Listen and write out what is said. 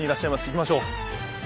いきましょう。